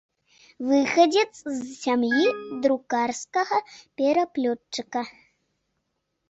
Выхадзец з сям'і друкарскага пераплётчыка.